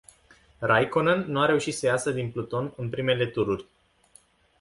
Raikkonen nu a reușit să iasă din pluton în primele tururi.